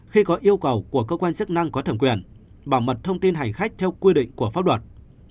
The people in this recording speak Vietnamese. khi có yêu cầu của cơ quan chức năng có thẩm quyền bảo mật thông tin hành khách theo quy định của pháp luật